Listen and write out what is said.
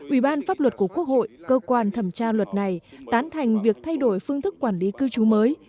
ubthqh cơ quan thẩm tra luật này tán thành việc thay đổi phương thức quản lý cư trú mới